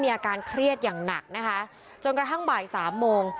อาการเครียดอย่างหนักนะคะจนกระทั่งบ่ายสามโมง